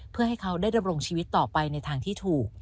เพื่อให้เขาได้ดำรงชีวิตต่อไปในทางที่ถูก